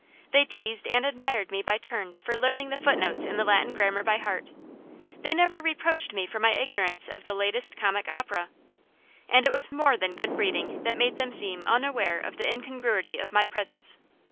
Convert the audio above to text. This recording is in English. They teased and admired me by turns for learning the footnotes in the Latin grammar by heart; they never reproached me for my ignorance of the latest comic opera. And it was more than good breeding that made them seem unaware of the incongruity of my presence.